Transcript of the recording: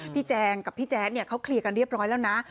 แจงกับพี่แจ๊ดเนี่ยเขาเคลียร์กันเรียบร้อยแล้วนะ